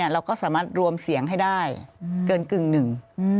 เราก็สามารถรวมเสียงให้ได้เกินกึ่งหนึ่ง